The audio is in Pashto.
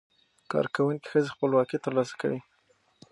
کارکوونکې ښځې خپلواکي ترلاسه کوي.